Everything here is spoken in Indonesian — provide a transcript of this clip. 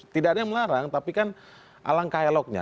tidak ada yang melarang tapi kan alang kailoknya